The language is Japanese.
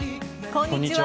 こんにちは。